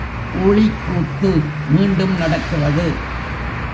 ஊழிக் கூத்து மீண்டும் நடக்கிறது.